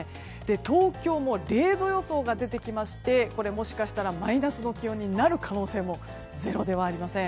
東京も０度予想が出てきましてもしかしたらマイナスの気温になる可能性もゼロではありません。